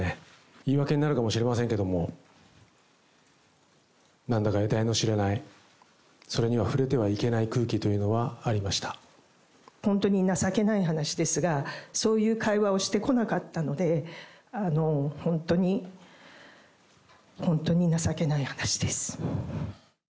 言い訳になるかもしれませんけれども、なんだか得体の知れない、それには触れてはいけない空気というの本当に情けない話ですが、そういう会話をしてこなかったので、本当に、本当に情けない話です。